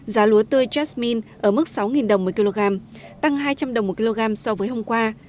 giá lúa tươi jasmine ở mức sáu đồng một kg tăng hai trăm linh đồng một kg so với hôm qua